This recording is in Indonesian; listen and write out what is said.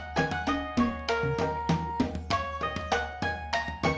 ketemu lagi di video selanjutnya